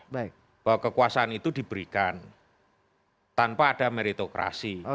bahwa kekuasaan itu diberikan tanpa ada meritokrasi